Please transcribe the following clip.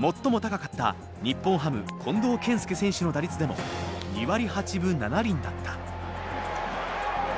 最も高かった日本ハム近藤健介選手の打率でも２割８分７厘だった。